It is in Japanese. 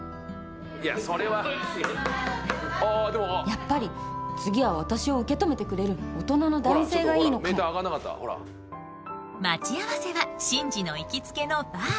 やっぱり次は私を受け止めてくれる大人の男性がいいのかも待ち合わせは紳士の行きつけのバー